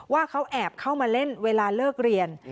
ว่าเขาแอบเข้ามาเล่นเวลาเลิกเรียน